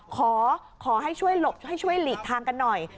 ขอให้ช่วยหลบให้ช่วยหลีกทางกันหน่อย